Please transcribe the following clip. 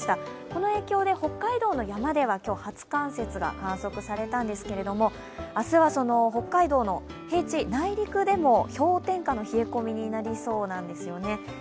この影響で北海道の山では、今日、初冠雪が観測されたんですけど明日は北海道の平地、内陸でも氷点下の冷え込みになりそうなんです。